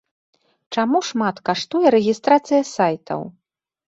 Чаму шмат каштуе рэгістрацыя сайтаў.